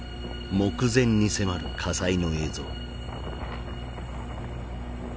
目前に迫る火災の映像。